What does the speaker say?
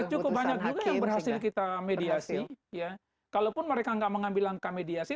cukup banyak juga yang berhasil kita mediasi ya kalaupun mereka nggak mengambil langkah mediasi